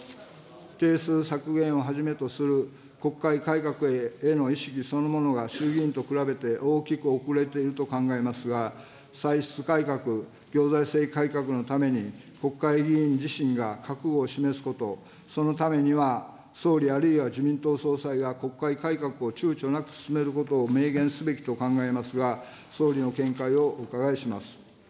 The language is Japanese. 定数削減をはじめとする国会改革への意識そのものが衆議院と比べて大きく遅れていると考えますが、歳出改革、行財政改革のために、国会議員自身が覚悟を示すこと、そのためには総理あるいは自民党総裁が国会改革をちゅうちょなく進めることを明言すべきと考えますが、総理の見解をお伺いします。